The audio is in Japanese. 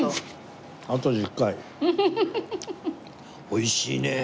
おいしいねえ。